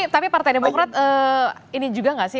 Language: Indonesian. tapi partai demokrat ini juga nggak sih